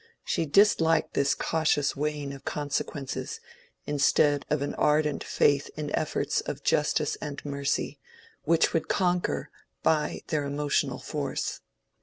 She disliked this cautious weighing of consequences, instead of an ardent faith in efforts of justice and mercy, which would conquer by their emotional force.